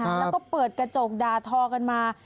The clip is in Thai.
แล้วก็เปิดกระจกด่าทอกันมา